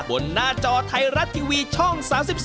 หน้าจอไทยรัฐทีวีช่อง๓๒